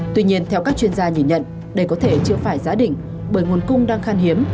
tuy nhiên theo các chuyên gia nhìn nhận đây có thể chưa phải giá định bởi nguồn cung đang khan hiếm